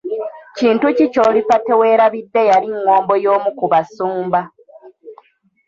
Kintu ki kyolifa teweerabidde yali ngombo y'omu ku basumba.